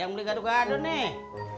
yang beli gaduh gaduh nih